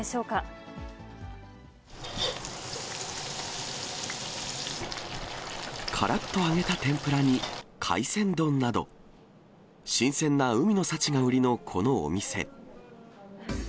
からっと揚げた天ぷらに、海鮮丼など、新鮮な海の幸が売りのこのお店。